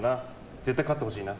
絶対勝ってほしいな。